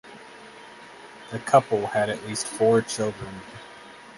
The couple had at least four children.